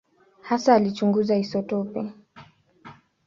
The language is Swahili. Hasa alichunguza isotopi.